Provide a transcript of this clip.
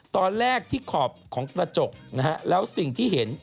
ตอนแรกที่ขอบของกระจกนะฮะแล้วสิ่งที่เห็น